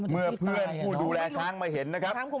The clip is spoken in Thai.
เมื่อเพื่อนผู้ดูแลช้างมาเห็นนะครับ